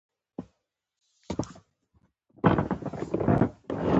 عطایي د مطالعې او تحقیق ارزښت بیان کړی دی.